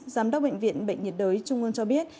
giám đốc bệnh viện bệnh nhiệt đới trung ương cho biết